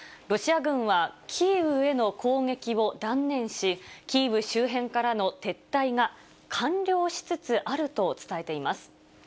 ロシア軍はキーウへの攻撃を断念し、キーウ周辺からの撤退が完了しつつあると伝えています。